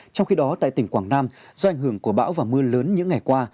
trong khi đó tại tỉnh quảng nam do ảnh hưởng của bão và mưa lớn những ngày qua